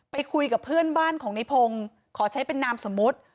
ไปคุยกับเพื่อนบ้านของในพงศ์ขอใช้เป็นนามสมมุติ